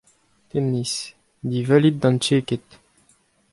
Tennis : diwallit d’an Dcheked !